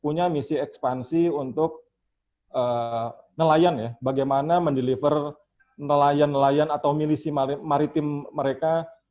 punya misi ekspansi untuk nelayan ya bagaimana mendeliver nelayan nelayan atau milisi maritim mereka